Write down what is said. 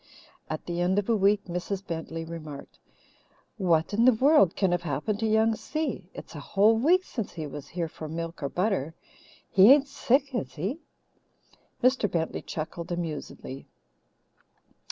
At the end of a week Mrs. Bentley remarked: "What in the world can have happened to Young Si? It's a whole week since he was here for milk or butter. He ain't sick, is he?" Mr. Bentley chuckled amusedly.